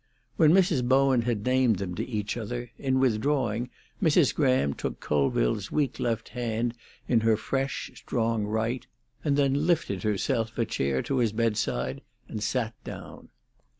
When Mrs. Bowen had named them to each other, in withdrawing, Mrs. Graham took Colville's weak left hand in her fresh, strong, right, and then lifted herself a chair to his bedside, and sat down.